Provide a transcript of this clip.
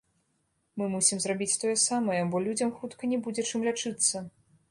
Мы мусім зрабіць тое самае, бо людзям хутка не будзе чым лячыцца.